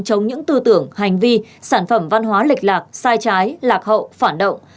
chống những tư tưởng hành vi sản phẩm văn hóa lịch lạc sai trái lạc hậu phản động